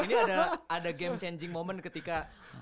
ini ada game changing moment ketika